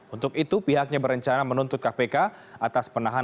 untuk itu pihaknya berencana menuntut kpk atas penahanan